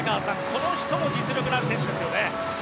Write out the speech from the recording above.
この人も実力のある選手ですね。